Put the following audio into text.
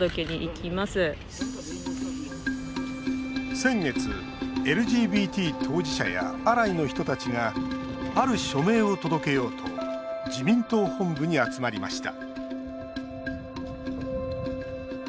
先月、ＬＧＢＴ当事者やアライの人たちがある署名を届けようと自民党本部に集まりました